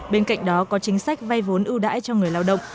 bên cạnh đó có chính sách vay vốn ưu đãi cho người lao động